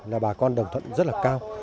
là bà con đồng thuận rất là cao